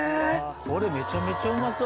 これめちゃめちゃうまそう。